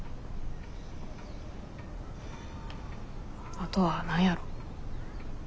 あとは何やろう。